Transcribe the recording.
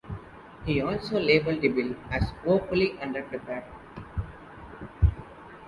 He also labelled the bill as "woefully underprepared".